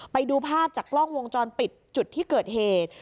ไปดูภาพจากกล้องวงจรปิดจุดที่เกิดเหตุ